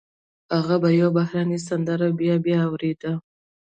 هغه به يوه بهرنۍ سندره بيا بيا اورېده.